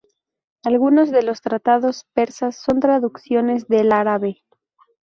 Algunos de los tratados persas son traducciones del árabe.